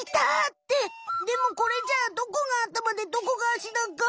ってでもこれじゃあどこがあたまでどこがあしだか？